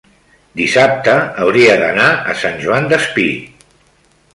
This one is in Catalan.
dissabte hauria d'anar a Sant Joan Despí.